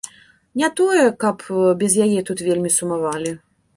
Не тое, каб без яе тут вельмі сумавалі.